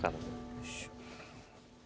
よいしょ。